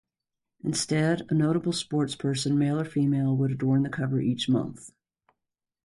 Instead, a notable sportsperson, male or female, would adorn the cover each month.